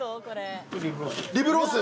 リブロース。